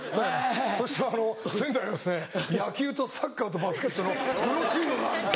そして仙台は野球とサッカーとバスケットのプロチームがあるんです。